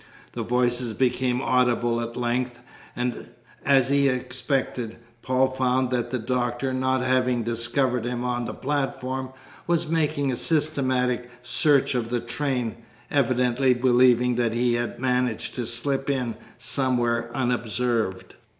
The voices became audible at length, and, as he had expected, Paul found that the Doctor, not having discovered him on the platform, was making a systematic search of the train, evidently believing that he had managed to slip in somewhere unobserved.